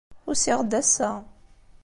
Usiɣ-d ass-a.